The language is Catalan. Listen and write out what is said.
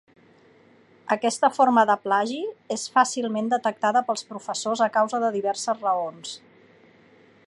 Aquesta forma de plagi és fàcilment detectada pels professors a causa de diverses raons.